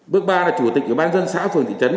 bước ba là chủ tịch bàn dân xã phường thị trấn